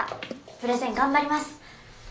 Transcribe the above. プレゼン頑張ります！